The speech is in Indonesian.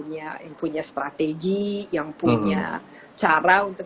punya yang punya strategi yang punya cara untuk